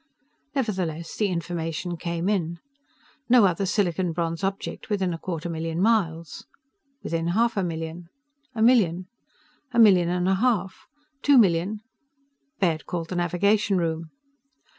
Nevertheless, the information came in. No other silicon bronze object within a quarter million miles. Within half a million. A million. A million and a half. Two million ... Baird called the navigation room.